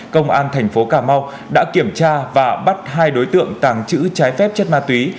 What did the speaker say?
công an thành phố cà mau đã kiểm tra và bắt hai đối tượng tàng trữ trái phép chất ma túy